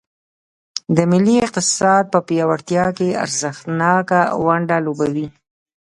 د ملي اقتصاد په پیاوړتیا کې ارزښتناکه ونډه لوبوي.